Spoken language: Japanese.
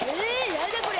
やだこれ。